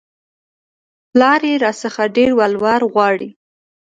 پلار يې راڅخه ډېر ولور غواړي